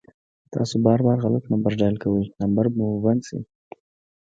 تاسو بار بار غلط نمبر ډائل کوئ ، نمبر به مو بند شي